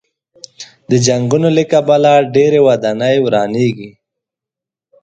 د جنګونو له کبله ډېرې ودانۍ ورانېږي.